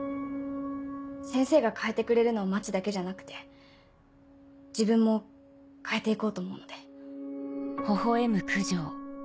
先生が変えてくれるのを待つだけじゃなくて自分も変えていこうと思うので。